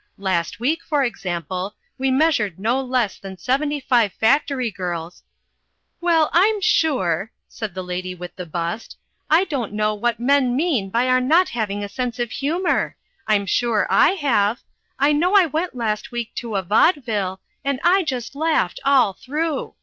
Last week, for example, we measured no less than seventy five factory girls " "Well, I'm sure," said the Lady with the Bust, "I don't know what men mean by our not having a sense of humour. I'm sure I have. I know I went last week to a vaudeville, and I just laughed all through.